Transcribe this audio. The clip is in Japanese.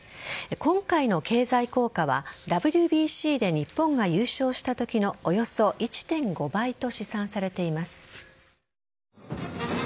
今回の経済効果はＷＢＣで日本が優勝したときのおよそ１．５倍と試算されています。